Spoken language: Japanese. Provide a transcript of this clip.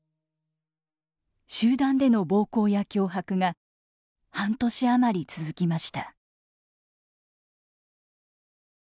集団での暴行や脅迫が半年余り続きました。